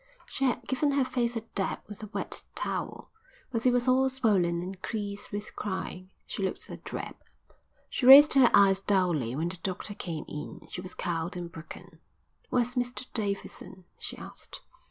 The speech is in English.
She had given her face a dab with a wet towel, but it was all swollen and creased with crying. She looked a drab. She raised her eyes dully when the doctor came in. She was cowed and broken. "Where's Mr Davidson?" she asked.